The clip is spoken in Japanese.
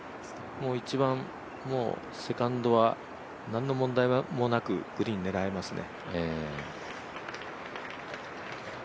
一番セカンドは何の問題もなくグリーン狙えますね。